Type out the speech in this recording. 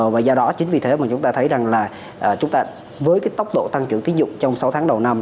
và do đó chính vì thế mà chúng ta thấy rằng là với cái tốc độ tăng trưởng tiến dụng trong sáu tháng đầu năm